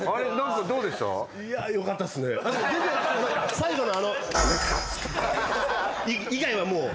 最後のあの。